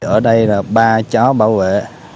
ở đây là ba chó bảo vệ